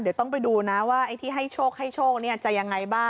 เดี๋ยวต้องไปดูนะว่าไอ้ที่ให้โชคให้โชคจะยังไงบ้าง